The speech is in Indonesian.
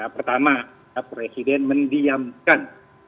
pertama presiden mendiamkan